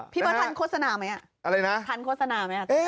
พี่ประทันโฆษณาไหมอ่ะอะไรนะทันโฆษณาไหมอ่ะ